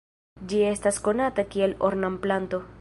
Ĝi estas konata kiel ornamplanto.